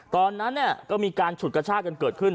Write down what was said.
ตอนนั้นก็มีการฉุดกระชากันเกิดขึ้น